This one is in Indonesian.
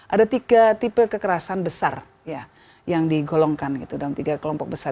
ada tiga tipe kekerasan besar yang digolongkan gitu dalam tiga kelompok besar